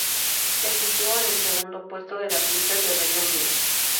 Se situó en el segundo puesto de las listas de Reino Unido.